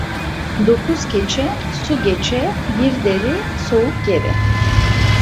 Dokuz keçe, su geçe; bir deri, soğuk geri.